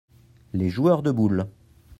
les joueurs de boules.